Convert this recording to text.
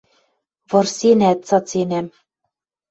Вырсенӓт цаценӓм